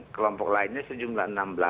kelompok lainnya sejumlah enam belas